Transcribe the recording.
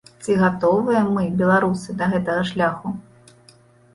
Ці гатовыя мы, беларусы, да гэтага шляху?